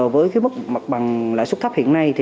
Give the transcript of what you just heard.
với mức mặt bằng lãi suất thấp hiện nay